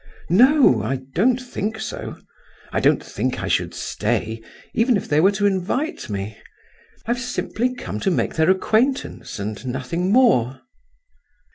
"No, I don't think so. I don't think I should stay even if they were to invite me. I've simply come to make their acquaintance, and nothing more."